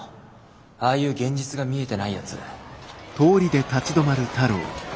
ああいう現実が見えてないやつ。